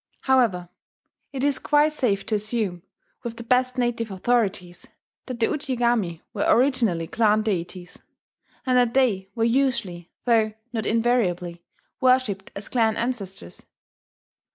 However, it is quite safe to assume, with the best native authorities, that the Ujigami were originally clan deities, and that they were usually, though not invariably, worshipped as clan ancestors.